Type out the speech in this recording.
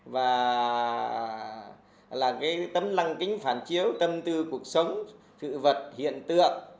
và là cái tấm lăng kính phản chiếu tâm tư cuộc sống sự vật hiện tượng